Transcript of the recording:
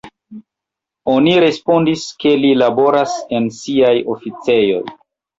Oni respondis, ke li laboras en siaj oficejoj.